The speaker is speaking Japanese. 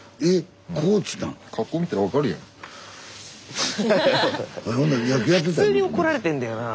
普通に怒られてんだよなあ。